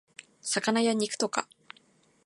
魚や肉とか